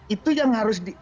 itu yang harus di